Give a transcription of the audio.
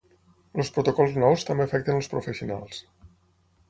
Els protocols nous també afecten els professionals.